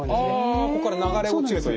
あこっから流れ落ちるというか。